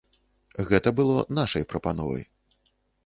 Гэта было нашай прапановай.